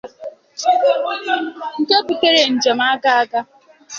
nke butere njem aga aga